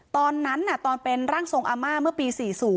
ตอนนั้นตอนเป็นร่างทรงอาม่าเมื่อปี๔๐